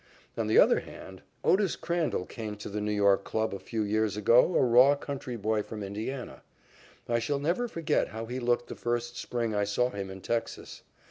On the other hand, Otis Crandall came to the New York club a few years ago a raw country boy from Indiana. I shall never forget how he looked the first spring I saw him in Texas.